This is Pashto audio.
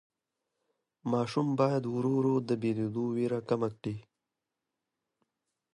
ماشوم باید ورو ورو د بېلېدو وېره کمه کړي.